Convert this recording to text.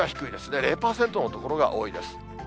０％の所が多いです。